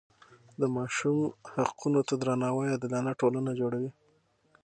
د ماشوم حقونو ته درناوی عادلانه ټولنه جوړوي.